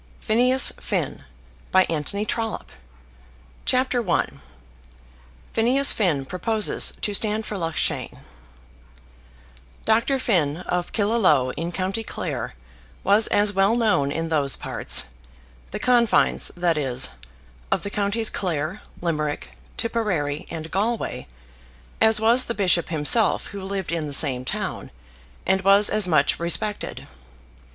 C. LXXVI. Conclusion VOLUME I CHAPTER I Phineas Finn Proposes to Stand for Loughshane Dr. Finn, of Killaloe, in county Clare, was as well known in those parts, the confines, that is, of the counties Clare, Limerick, Tipperary, and Galway, as was the bishop himself who lived in the same town, and was as much respected.